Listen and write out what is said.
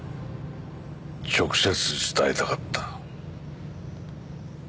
直接伝えたかった。